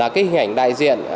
là cái hình ảnh đại diện